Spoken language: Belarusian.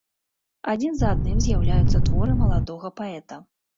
Адзін за адным з'яўляюцца творы маладога паэта.